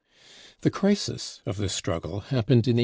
] The crisis of this struggle happened in 1821.